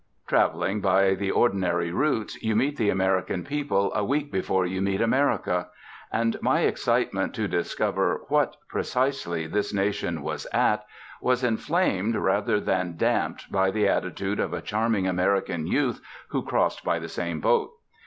Travelling by the ordinary routes, you meet the American people a week before you meet America. And my excitement to discover what, precisely, this nation was at, was inflamed rather than damped by the attitude of a charming American youth who crossed by the same boat.